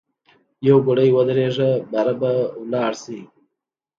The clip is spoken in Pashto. یوګړی ودریږه باره به ولاړ سی.